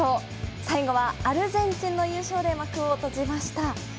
最後はアルゼンチンの優勝で幕を閉じました。